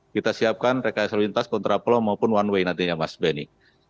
kita siapkan rekayasa lintas kontraplo maupun one way nantinya mas benny